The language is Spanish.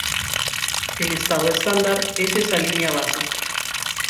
El estado estándar es esa línea base.